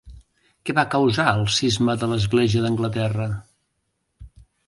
Què va causar el Cisma de l'Església d'Anglaterra?